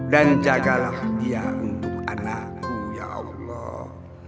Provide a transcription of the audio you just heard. dan jagalah dia untuk anak mu ya allah